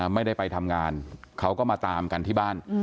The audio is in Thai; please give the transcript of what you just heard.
ไม่ได้ไปทำงานเขาก็มาตามกันที่บ้าน